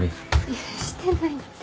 いやしてないって。